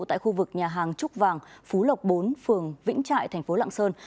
tại khu vực nhà hàng trúc vàng phú lộc bốn phường vĩnh trại thành phố lạng sơn